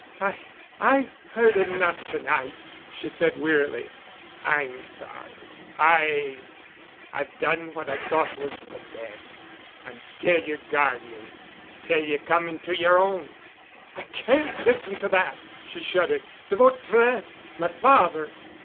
"I—I've heard enough—to night," she said wearily. "I'm sorry. I—I've done what I thought was the best. I'm still yer guardian—until ye come into yer own——" "I can't listen to that," she shuddered. "De Vautrin—my father!"